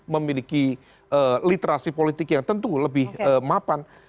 memiliki literasi politik yang tentu lebih mapan